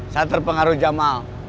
saya terpengaruh jamal